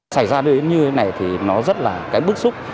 xảy ra như thế này thì nó rất là cái bức xúc